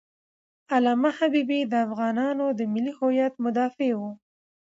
علامه حبیبي د افغانانو د ملي هویت مدافع و.